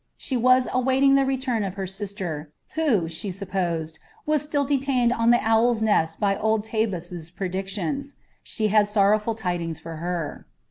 She was awaiting the return of her sister, who, she supposed, was still detained on the Owl's Nest by old Tabus's predictions; she had sorrowful tidings for her.